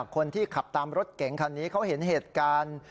คนที่ขับตามรถเก๋งคันนี้เขาเห็นเหตุการณ์